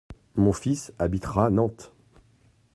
Mon fils habitera Nantes…